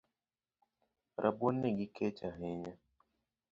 Rabuoni gi kech ahinya